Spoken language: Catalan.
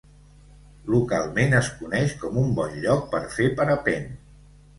Localment es coneix com un bon lloc per fer parapent.